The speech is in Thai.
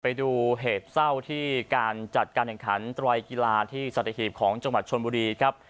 ไปดูเหตุเศร้าที่การจัดการแข่งขันไตรกีฬาที่สัตหีบของจังหวัดชนบุรีครับ